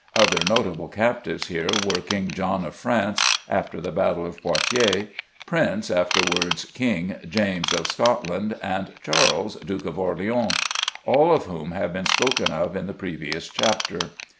Other notable captives here were King John of France (after the battle of Poitiers), Prince (afterwards King) James of Scotland, and Charles, Duke of Orleans all of whom have been spoken of in the previous chapter.